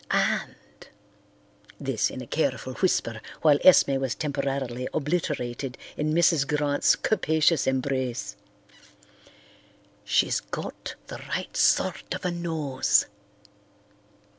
And"—this in a careful whisper, while Esme was temporarily obliterated in Mrs. Grant's capacious embrace—"she's got the right sort of a nose.